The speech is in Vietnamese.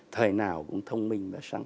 thời nào cũng thông minh